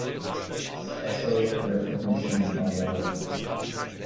Special Recognition Award